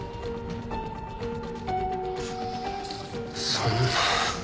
そんな。